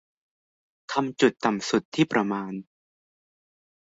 ทำจุดต่ำสุดที่ประมาณ